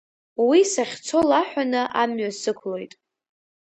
Уи сахьцо лаҳәаны амҩа сықәлоит.